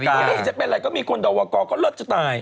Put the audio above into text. อ๋อมีเกิดจะเป็นอะไรก็มีคนดาวาก่อก็เลิศจะตาย